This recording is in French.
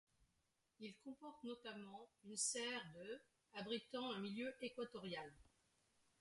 Il comporte notamment une serre de abritant un milieu équatorial.